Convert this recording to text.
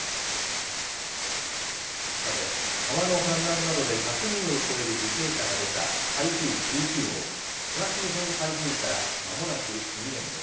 さて、川の氾濫などで１００人を超える犠牲者が出た台風１９号、東日本台風からまもなく２年です。